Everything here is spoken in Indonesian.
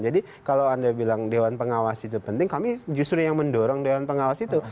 jadi kalau anda bilang dewan pengawas itu penting kami justru yang mendorong dewan pengawas itu